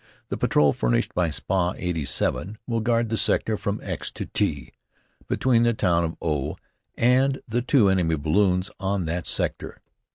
The patrol furnished by Spa. 87 will guard the sector from X to T, between the town of O and the two enemy balloons on that sector.